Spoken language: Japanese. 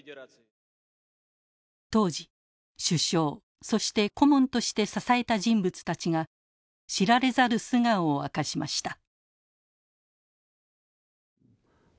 当時首相そして顧問として支えた人物たちが知られざる素顔を明かしました。